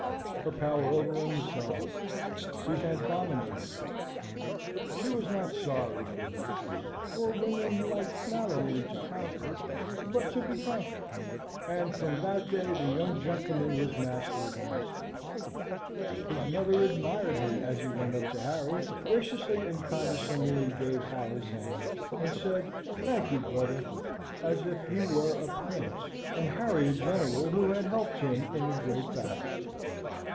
Her power over him was gone. He had dominated her. She was not sorry for the defeat; for women like not only to conquer, but to be conquered; and from that day the young gentleman was master at Castlewood. His mother admired him as he went up to Harry, graciously and condescendingly gave Hal his hand, and said, "Thank you, brother!" as if he were a prince, and Harry a general who had helped him in a great battle.